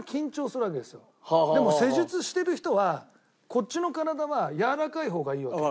でも施術してる人はこっちの体はやわらかい方がいいわけ。